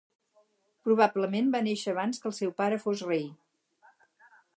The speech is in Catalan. Probablement va néixer abans que el seu pare fos rei.